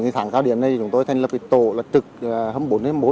tháng cao điểm này chúng tôi thành lập tổ lật trực hầm bốn bốn